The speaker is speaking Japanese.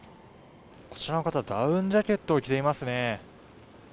こちらの方、ダウンジャケットを着ていますね。